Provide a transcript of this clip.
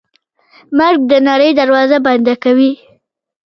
مرګ د نړۍ دروازه بنده کوي.